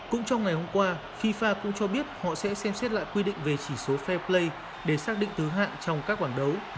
cũng trong ngày hôm qua fifa cũng cho biết họ sẽ xem xét lại quy định về chỉ số fair play để xác định tứ hạn trong các bảng đấu